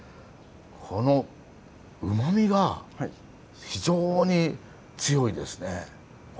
このうまみが非常に強いですねこれ。